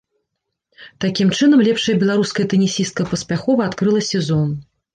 Такім чынам лепшая беларуская тэнісістка паспяхова адкрыла сезон.